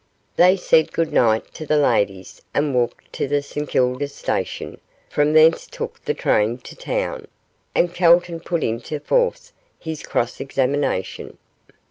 They said good night to the ladies, and walked to the St Kilda station, from thence took the train to town, and Calton put into force his cross examination.